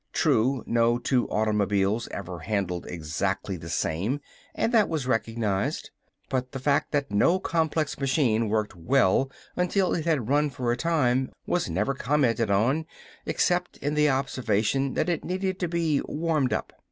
True, no two automobiles ever handled exactly the same, and that was recognized. But the fact that no complex machine worked well until it had run for a time was never commented on, except in the observation that it needed to be warmed up.